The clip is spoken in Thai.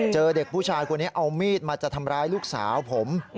เจอเด็กผู้ชายคนนี้เอามีดมาจะทำร้ายลูกสาวผม